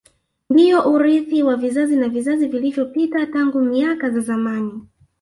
Ndiyo urithi wa vizazi na vizazi vilivyopita tangu miaka za zamani